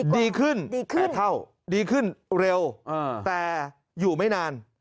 ดีขึ้นดีแต่เท่าดีขึ้นเร็วแต่อยู่ไม่นาน